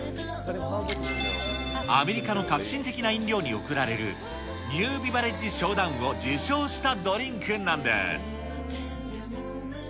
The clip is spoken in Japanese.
アメリカの革新的な飲料に贈られる、ニュービバレッジショーダウンを受賞したドリンクなんです。